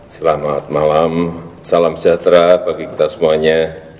selamat malam salam sejahtera bagi kita semuanya